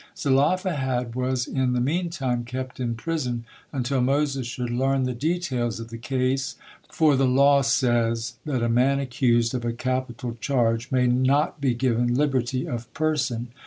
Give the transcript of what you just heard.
Zelophehad was in the meantime kept in prison until Moses should learn the details of the case, for the laws says that a man accused of a capital charge may not be given liberty of person.